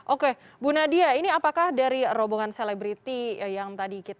oke bu nadia ini apakah dari rombongan selebriti yang tadi kita